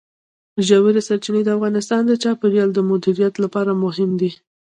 ژورې سرچینې د افغانستان د چاپیریال د مدیریت لپاره مهم دي.